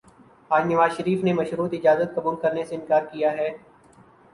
آج نواز شریف نے مشروط اجازت قبول کرنے سے انکار کیا ہے۔